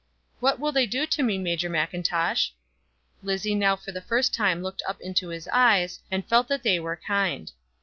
"What will they do to me, Major Mackintosh?" Lizzie now for the first time looked up into his eyes, and felt that they were kind.